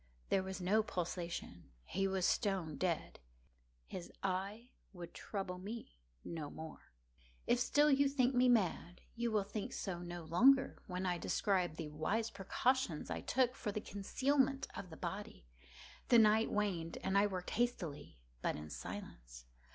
There was no pulsation. He was stone dead. His eye would trouble me no more. If still you think me mad, you will think so no longer when I describe the wise precautions I took for the concealment of the body. The night waned, and I worked hastily, but in silence.